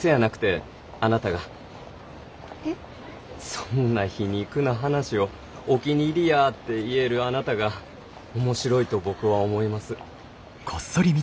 そんな皮肉な話をお気に入りやて言えるあなたが面白いと僕は思います。